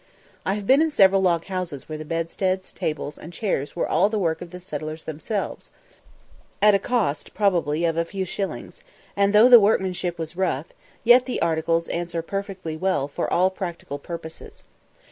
I have been in several log houses where the bedsteads, tables, and chairs were all the work of the settlers themselves, at a cost probably of a few shillings; and though the workmanship was rough, yet the articles answer perfectly well for all practical purposes.